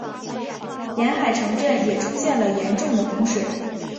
沿海城镇也出现了严重的洪水。